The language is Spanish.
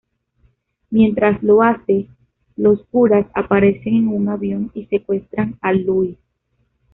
Mientras lo hace, los curas aparecen en un avión y secuestran a Lois.